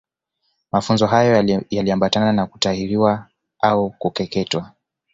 Mafunzo hayo yaliambatana na kutahiriwa au kukeketwa